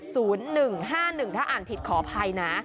ถ้าอ่านผิดขออภัยนะ